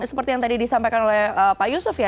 seperti yang tadi disampaikan oleh pak yusuf ya